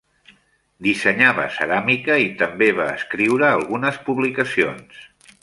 Dissenyava ceràmica i també va escriure algunes publicacions.